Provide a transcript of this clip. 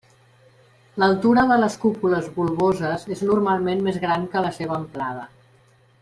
L'altura de les cúpules bulboses és normalment més gran que la seva amplada.